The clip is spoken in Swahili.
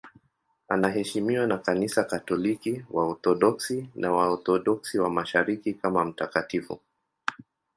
Anaheshimiwa na Kanisa Katoliki, Waorthodoksi na Waorthodoksi wa Mashariki kama mtakatifu.